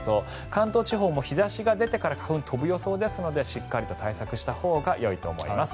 関東地方も日差しが出てから花粉が飛ぶ予想ですのでしっかり対策したほうがよいと思います。